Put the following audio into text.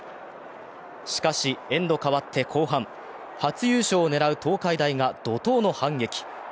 しかしエンド変わって後半、初優勝を狙う東海大が怒とうの反撃。